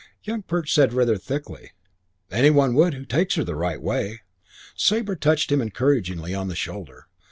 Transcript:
Young Perch said rather thickly, "Any one would who takes her the right way." Sabre touched him encouragingly on the shoulder.